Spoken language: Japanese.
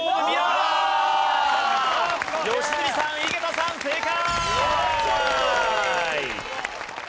良純さん井桁さん正解！